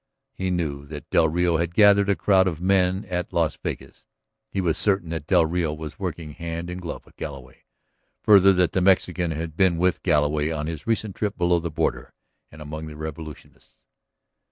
He knew that del Rio had gathered a crowd of men at Las Vegas; he was certain that del Rio was working hand in glove with Galloway; further that the Mexican had been with Galloway on his recent trip below the border and among the revolutionists.